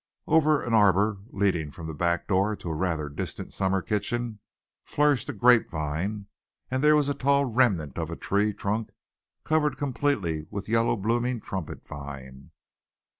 Over an arbor leading from the backdoor to a rather distant summer kitchen flourished a grapevine, and there was a tall remnant of a tree trunk covered completely with a yellow blooming trumpet vine.